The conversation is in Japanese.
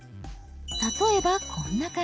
例えばこんな感じ。